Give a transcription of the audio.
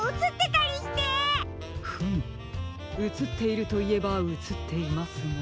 フムうつっているといえばうつっていますが。